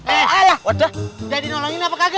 eh udah di nolongin apa kagak